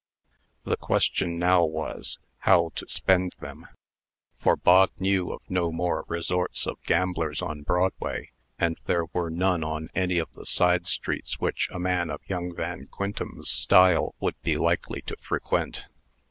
The question now was, how to spend them? for Bog knew of no more resorts of gamblers on Broadway; and there were none on any of the side streets which a man of young Van Quintem's style would be likely to frequent.